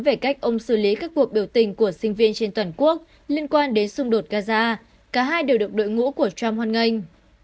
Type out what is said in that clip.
về cách ông xử lý các cuộc biểu tình của sinh viên trên toàn quốc liên quan đến xung đột gaza cả hai đều được đội ngũ của trump hoan nghênh